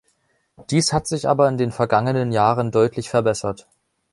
Dies hat sich aber in den vergangenen Jahren deutlich verbessert.